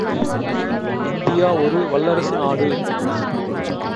India ஒரு வல்லரசு நாடு.